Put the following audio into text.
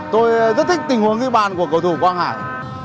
tôi rất thích tình huống di bàn của cầu thủ quang hải